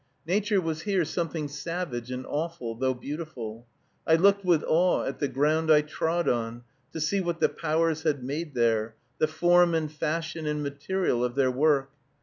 Nature was here something savage and awful, though beautiful. I looked with awe at the ground I trod on, to see what the Powers had made there, the form and fashion and material of their work.